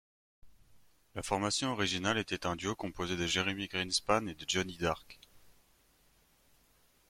La formation originale était un duo composé de Jeremy Greenspan et de Johnny Dark.